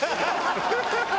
「ハハハハ！」